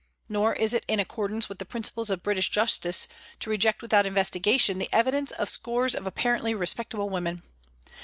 Nor is it in accordance with the principles of British justice to reject without investigation the evidence of scores of apparently respectable women.